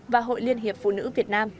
và hội liên hiệp phụ nữ việt nam